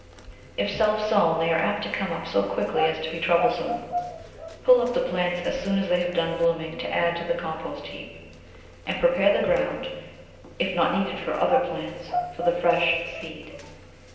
If self sown they are apt to come up so quickly as to be trouble some* Pull up the plants as soon as they have done blooming to add to the compost heap, and prepare Digitized by Google Tea] Annuals from fteeU "9 the ground, if not needed for other plants, for the fresh seed.